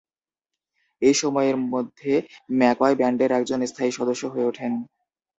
এই সময়ের মধ্যে ম্যাকয় ব্যান্ডের একজন স্থায়ী সদস্য হয়ে ওঠেন।